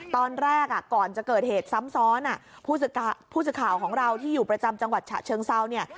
ตอนแรกก่อนจะเกิดเหตุซ้ำซ้อนผู้สื่อข่าวของเราที่อยู่ประจำจังหวัดฉะเชิงเซาเนี่ย